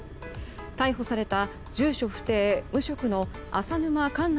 逮捕された住所不定・無職の浅沼かんな